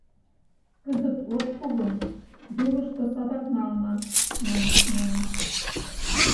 — Кызыт от пу гын, Юлышто садак налына, — маньыч нуно.